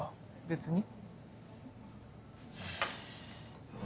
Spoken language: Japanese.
別に。